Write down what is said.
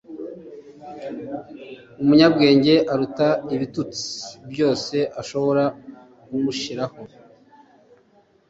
umunyabwenge aruta ibitutsi byose ashobora kumushiraho